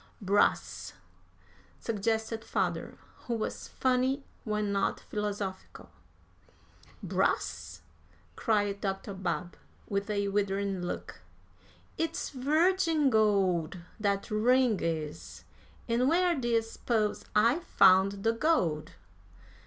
"Brass," suggested father, who was funny when not philosophical. "Brass!" cried Dr. Babb, with a withering look; "it's virgin gold, that ring is. And where d'ye s'pose I found the gold?"